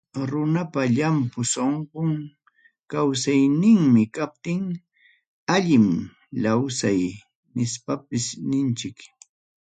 Runapa llanpu sunqu kawsaynin kaptin, allin lawsay nispapas ninchik.